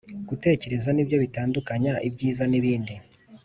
gutekereza nibyo bitandukanya ibyiza nibindi.